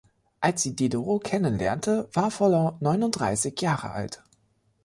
Als sie Diderot kennenlernte, war Volland neununddreißig Jahre alt.